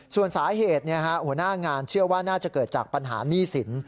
ส่วนสาเหตุหัวหน้างานเชื่อว่าน่าจะเกิดจากปัญหาหนี้สิน